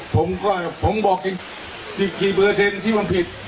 ผมก็ผมบอกจริงสิบกี่เปอร์เซ็นต์ที่มันผิด